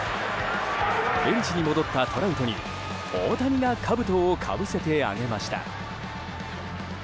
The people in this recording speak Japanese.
ベンチに戻ったトラウトに大谷がかぶとをかぶせてあげました。